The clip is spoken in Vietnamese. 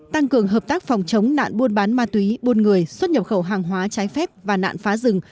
tăng cường hợp tác phòng chống nạn buôn bán ma túy buôn người xuất nhập khẩu hàng hóa trái phép và nạn phá rừng